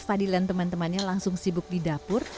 fadil dan teman temannya langsung sibuk di dapur